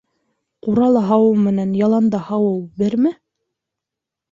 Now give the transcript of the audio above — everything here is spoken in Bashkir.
Ҡурала һауыу менән яланда һауыу берме?